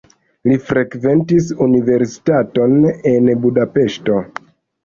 Li frekventis universitaton en Budapeŝto.